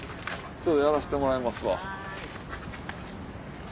ちょっとやらせてもらいますわ。